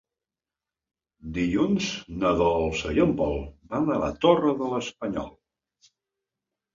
Dilluns na Dolça i en Pol van a la Torre de l'Espanyol.